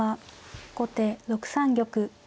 後手６三玉。